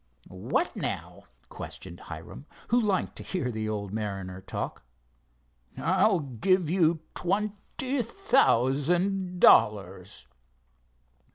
"What, now?" questioned Hiram, who liked to hear the odd old mariner talk. "I'll give you twenty thousand dollars."